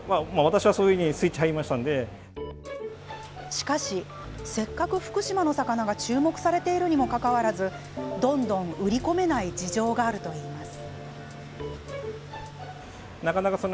しかし、せっかく福島の魚が注目されているにもかかわらずどんどん売り込めない事情があるといいます。